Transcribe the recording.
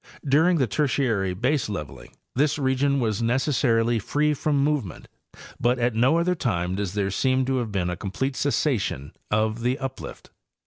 During the Tertiary baseleveling this region was necessarily free from movement, but at no other time does there seem to have been a complete cessation of the uplift.